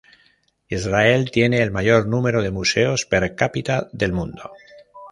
Israel tiene el mayor número de museos "per capita" del mundo.